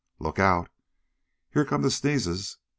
Look out here come the sneezes!"